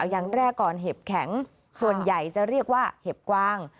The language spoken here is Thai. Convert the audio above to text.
อย่างแรกก่อนเห็บแข็งส่วนใหญ่จะเรียกว่าเห็บกวาง